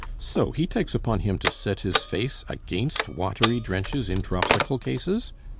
So he takes upon him to set his face against watery drenches in dropsical cases?